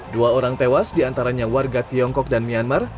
dua orang tewas di antaranya warga tiongkok dan myanmar